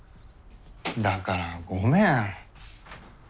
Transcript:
だからごめん。